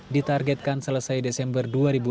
ditargetkan selesai desember dua ribu enam belas